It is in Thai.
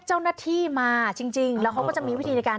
เจ้าหน้าที่มาจริงแล้วเขาก็จะมีวิธีในการ